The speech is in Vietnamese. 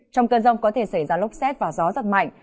trong cơn rông có thể xảy ra lốc xét và gió giật mạnh